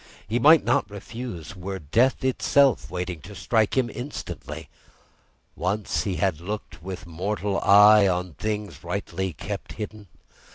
He might not refuse, were Death himself waiting to strike him instantly, once he had looked with mortal eye on things rightly kept hidden.